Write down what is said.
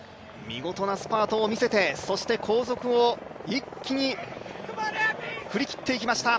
見事なスパートを見せてそして後続を一気に振り切っていきました。